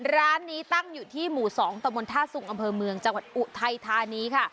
ร้านนี้ตั้งอยู่ที่หมู่สองตมทรศูนย์อำเภอเมืองจังหวัดอุไทยทานีค่ะ